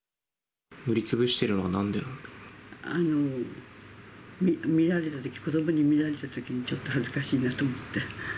塗りつぶしてるのはなんでな見られたとき、子どもに見られたときに、ちょっと恥ずかしいなと思って。